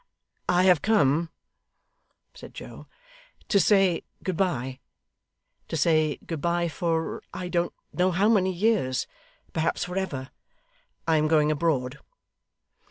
'I have come,' said Joe, 'to say good bye to say good bye for I don't know how many years; perhaps for ever. I am going abroad.